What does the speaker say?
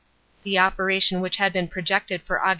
The operation which had been projected for Aug.